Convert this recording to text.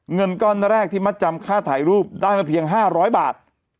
เงินก้อนแรกที่มัดจำค่าถ่ายรูปได้มาเพียง๕๐๐บาท